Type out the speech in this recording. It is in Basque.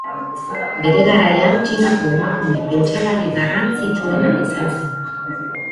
Bere garaian Txinako emakume pentsalari garrantzitsuena izan zen.